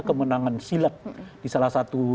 kemenangan silek di salah satu